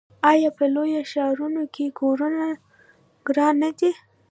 آیا په لویو ښارونو کې کورونه ګران نه دي؟